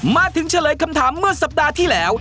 เฉลยคำถามเมื่อสัปดาห์ที่แล้ว